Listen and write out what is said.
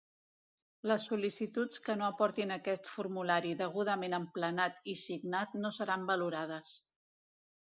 Les sol·licituds que no aportin aquest formulari degudament emplenat i signat no seran valorades.